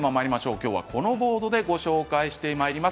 きょうはこのボードでご紹介してまいります。